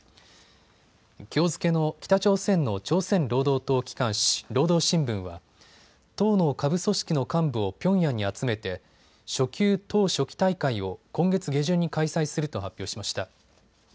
きょう付けの北朝鮮の朝鮮労働党機関紙、労働新聞は党の下部組織の幹部をピョンヤンに集めて初級党書記大会を、今月下旬に開催すると発表しました。